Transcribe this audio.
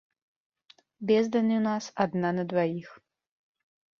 Бездань у нас адна на дваіх.